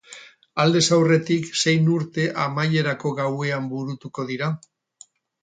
Aldez aurretik zein urte amaierako gauean burutuko dira.